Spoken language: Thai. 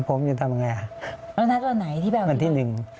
ผมจะทำยังไงอ่ะแล้วนัดวันไหนที่แบบว่าวันที่หนึ่ง